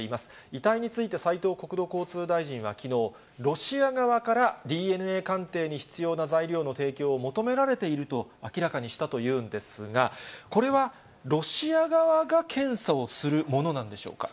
遺体について斉藤国土交通大臣はきのう、ロシア側からＤＮＡ鑑定に必要な材料の提供を求められていると明らかにしたというんですが、これはロシア側が検査をするものなんでしょうか。